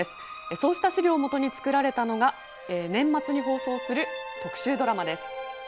そうした史料をもとに作られたのが年末に放送する特集ドラマです。